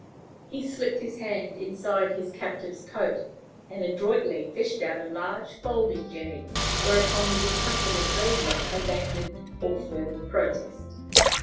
He slipped his hand inside his captive's coat, and adroitly fished out a large, folding jemmy; whereupon the discomforted burglar abandoned all further protest.